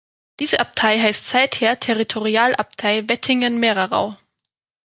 Diese Abtei heisst seither Territorialabtei Wettingen-Mehrerau.